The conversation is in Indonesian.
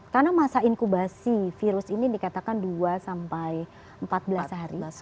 karena masa inkubasi virus ini dikatakan dua sampai empat belas hari